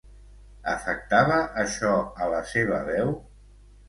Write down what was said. Afectava això a la seva veu?